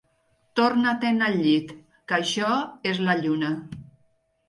Torna-te'n al llit, que això és la lluna.